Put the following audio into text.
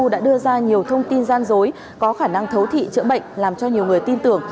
đã đưa ra nhiều thông tin gian dối có khả năng thấu thị chữa bệnh làm cho nhiều người tin tưởng